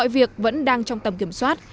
việc vẫn đang trong tầm kiểm soát